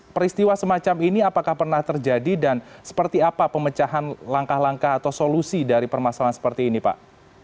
peristiwa semacam ini apakah pernah terjadi dan seperti apa pemecahan langkah langkah atau solusi dari permasalahan seperti ini pak